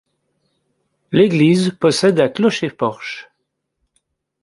L'église possède un clocher-porche.